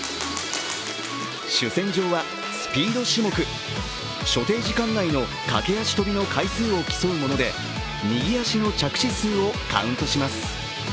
主戦場はスピード種目、所定時間内の駆け足とびの回数を競うもので右足の着地数をカウントします。